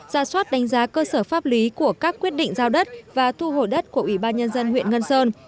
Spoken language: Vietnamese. ra soát đánh giá cơ sở pháp lý của các quyết định giao đất và thu hồi đất của ủy ban nhân dân huyện ngân sơn